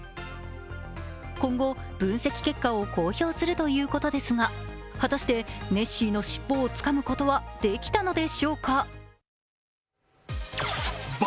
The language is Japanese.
今後、分析結果を公表するということですが果たして、ネッシーの尻尾をつかむことはできたのでしょうか。